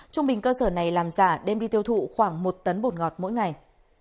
trung bình cơ sở này làm giả đem đi tiêu thụ khoảng một tấn bột ngọt mỗi ngày